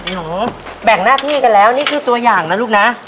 แบ่งหน้าที่กันแล้วนี่คือตัวอย่างนะลูกนะ